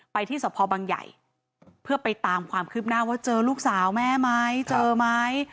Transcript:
ที่สพบังใหญ่เพื่อไปตามความคืบหน้าว่าเจอลูกสาวแม่ไหมเจอไหม